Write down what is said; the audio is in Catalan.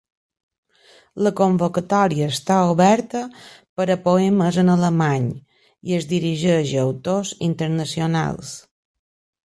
La convocatòria està oberta per a poemes en alemany i es dirigeix a autors internacionals.